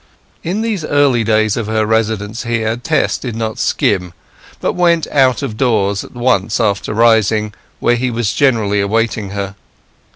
In these early days of her residence here Tess did not skim, but went out of doors at once after rising, where he was generally awaiting her.